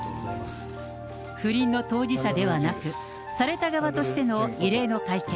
不倫の当事者ではなく、された側としての異例の会見。